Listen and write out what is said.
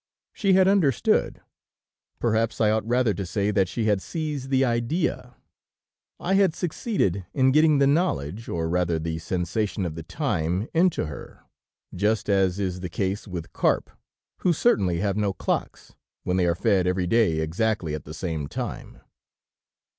"She had understood! Perhaps I ought rather to say that she had seized the idea. I had succeeded in getting the knowledge, or rather the sensation of the time into her, just as is the case with carp, who certainly have no clocks, when they are fed every day exactly at the same time.